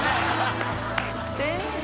全然。